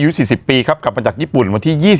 ๔๐ปีครับกลับมาจากญี่ปุ่นวันที่๒๐